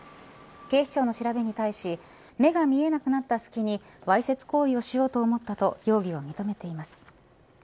警視庁の調べに対し目が見えなくなった隙にわいせつ行為をしようと思ったと容疑を認めています。